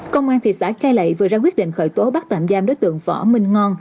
công an thị xã cai lệ vừa ra quyết định khởi tố bắt tạm giam đối tượng võ minh ngon